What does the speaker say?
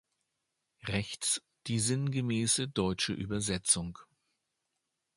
Rechts die sinngemäße deutsche Übersetzung.